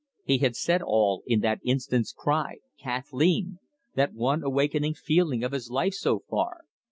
He had said all in that instant's cry, "Kathleen!" that one awakening feeling of his life so far.